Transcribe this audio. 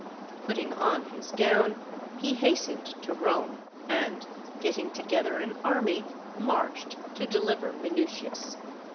Putting on his gown, he hastened to Rome, and getting together an army, marched to deliver Minutius.